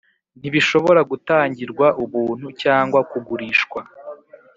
Ntibishobora gutangirwa ubuntu cyangwa kugurishwa,